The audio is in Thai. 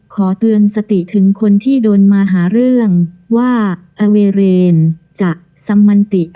ขอเตือนสติถึงคนที่โดนมาหาเรื่องว่าอเวเรนจะสัมมันติ